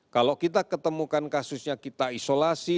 kalau kita ketemukan kasusnya kita isolasi